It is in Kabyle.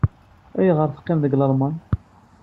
Ayɣer ay teqqim deg Lalman?